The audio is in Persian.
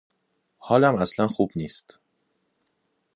حالم اصلا خوب نیست.